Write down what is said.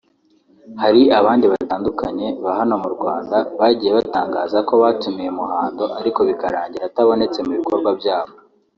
Hari abandi batandukanye ba hano mu Rwanda bagiye batangaza ko batumiye Muhando ariko bikarangira atabonetse mu bikorwa byabo